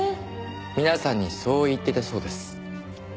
皆さんにそう言っていたそうです。